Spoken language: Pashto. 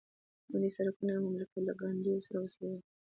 ملي سرکونه یو مملکت له ګاونډیو سره وصلوي